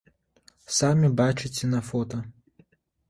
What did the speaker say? Самі бачыце на фота.